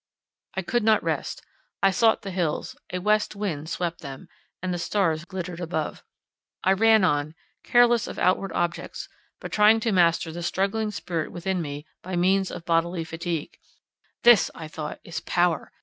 I could not rest. I sought the hills; a west wind swept them, and the stars glittered above. I ran on, careless of outward objects, but trying to master the struggling spirit within me by means of bodily fatigue. "This," I thought, "is power!